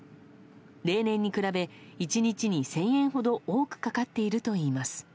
例年に比べ、１日に１０００円ほど多くかかっているといいます。